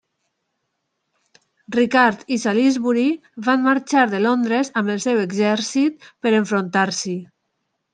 Ricard i Salisbury van marxar de Londres amb el seu exèrcit per enfrontar-s'hi.